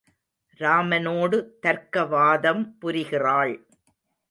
ராமனோடு தர்க்கவாதம் புரிகிறாள்.